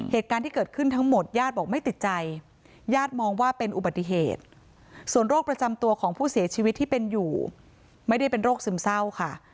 เหตุการณ์ที่เกิดขึ้นทั้งหมดญาติบอกไม่ติดใจญาติมองว่าเป็นอุบัติเหตุส่วนโรคประจำตัวของผู้เสียชีวิตที่เป็นอยู่ไม่ได้เป็นโรคซึมเศร้าค่ะ